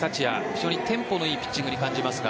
非常にテンポのいいピッチングに感じますが。